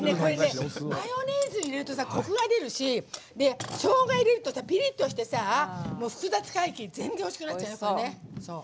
マヨネーズを入れるとコクが出るししょうがを入れるとピリッとしてさ、複雑怪奇で全然おいしくなっちゃう。